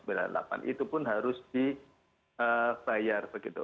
itu pun harus dibayar begitu